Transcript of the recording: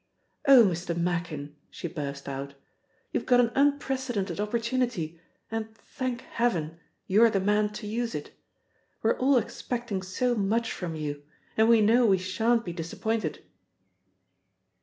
"Oh, Mr. Machin," she burst out, "you've got an unprecedented opportunity, and, thank Heaven, you're the man to use it! We're all expecting so much from you, and we know we sha'n't be disappointed."